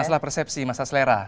masalah persepsi masalah selera